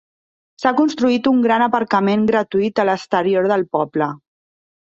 S'ha construït un gran aparcament gratuït a l'exterior del poble.